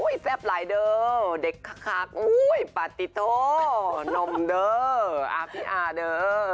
อุ้ยแซ่บหลายเด้อเด็กคักอุ้ยปาติโต้นมเด้ออาพีอาเด้อ